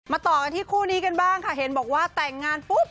ต่อกันที่คู่นี้กันบ้างค่ะเห็นบอกว่าแต่งงานปุ๊บ